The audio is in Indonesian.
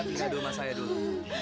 tinggal bersama saya dulu